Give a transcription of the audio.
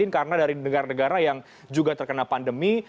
karena dari negara negara yang juga terkena pandemi